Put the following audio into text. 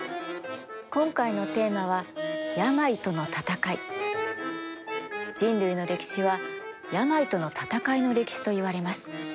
今回のテーマは人類の歴史は病との闘いの歴史といわれます。